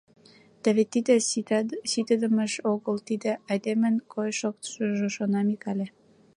«Да вет тиде ситыдымаш огыл, тиде — айдемын койыш-шоктышыжо, — шона Микале.